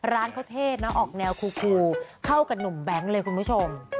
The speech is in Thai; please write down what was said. ร้านเขาเทศนะออกแนวคูเข้ากับหนุ่มแบงค์เลยคุณผู้ชม